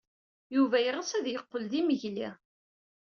Yuba yeɣs ad yeqqel d imegli.